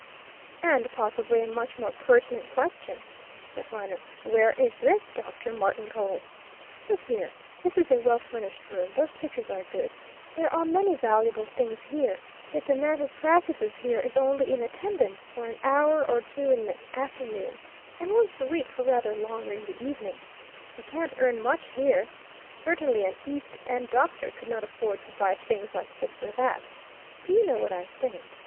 "And possibly a much more pertinent question," said Viner, "where is this Dr. Martincole? Look here: this is a well furnished room; those pictures are good; there are many valuable things here; yet the man who practises here is only in attendance for an hour or two in an afternoon, and once a week for rather longer in the evening. He can't earn much here; certainly an East End doctor could not afford to buy things like this or that. Do you know what I think?